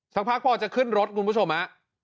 สักพักพอจะขึ้นรถคุณผู้ชมฮะ